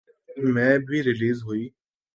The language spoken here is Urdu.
میں بھی ریلیز ہوئی